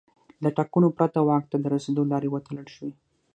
له ټاکنو پرته واک ته د رسېدو لارې وتړل شوې.